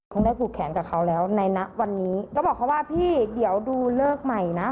คงได้ผูกแขนกับเขาแล้วในณวันนี้ก็บอกเขาว่าพี่เดี๋ยวดูเลิกใหม่นะ